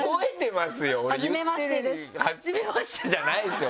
はじめましてじゃないですよ